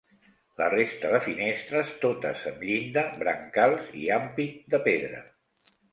La resta de finestres totes amb llinda, brancals i ampit de pedra.